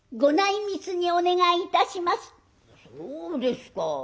「そうですか。